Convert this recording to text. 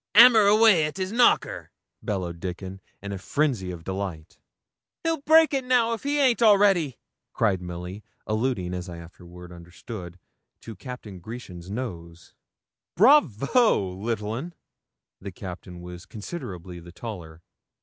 'Hammer away at his knocker,' bellowed Dickon, in a frenzy of delight. 'He'll break it now, if it ain't already,' cried Milly, alluding, as I afterwards understood, to the Captain's Grecian nose. 'Brayvo, little un!' The Captain was considerably the taller.